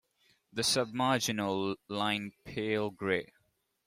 The submarginal line pale grey.